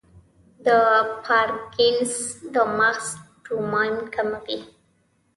د پارکنسن د مغز ډوپامین کموي.